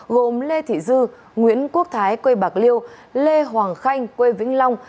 gồm lê thị dư nguyễn quốc thái quê bạc liêu lê hoàng khanh quê vĩnh long